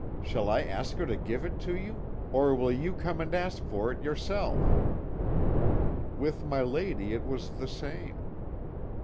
Shall I ask her to give it to you or will you come and ask for it yourself?' "With my lady it was the same.